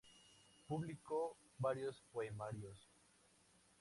Publicó varios poemarios.